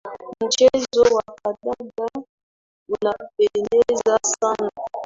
Mchezo wa kandanda unapendeza sana.